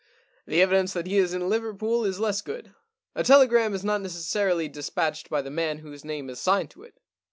The evidence that he is in Liverpool is less good. A tele gram is not necessarily despatched by the man whose name is signed to it.